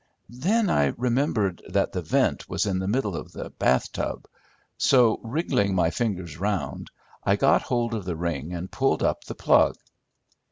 Then I remembered that the vent was in the middle of the bath tub; so, wriggling my fingers around, I got hold of the ring, and pulled up the plug.